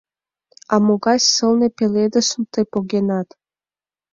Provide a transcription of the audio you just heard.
А могай сылне пеледышым тый погенат!